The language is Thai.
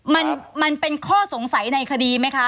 มันเป็นข้อสงสัยในคดีไหมคะ